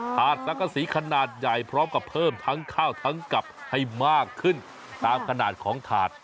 ถาดสังกษีขนาดใหญ่พร้อมกับเพิ่มทั้งข้าวทั้งกลับให้มากขึ้นตามขนาดของถาด